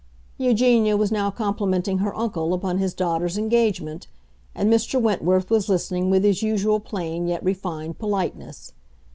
Eugenia was now complimenting her uncle upon his daughter's engagement, and Mr. Wentworth was listening with his usual plain yet refined politeness.